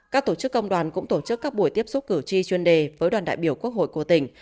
các tổ chức công đoàn cũng tổ chức các buổi tiếp xúc cử tri chuyên đề với đoàn đại biểu quốc hội của tỉnh